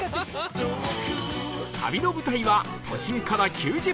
旅の舞台は都心から９０分